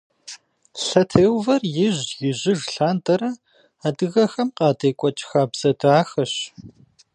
Лъэтеувэр ижь-ижьыж лъандэрэ адыгэхэм къадекӀуэкӀ хабзэ дахэщ.